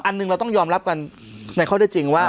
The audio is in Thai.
หนึ่งเราต้องยอมรับกันในข้อได้จริงว่า